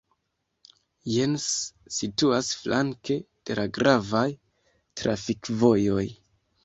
Jens situas flanke de la gravaj trafikvojoj.